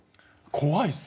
怖いっす。